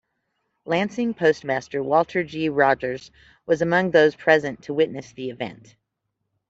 Lansing postmaster Walter G. Rogers was among those present to witness the event.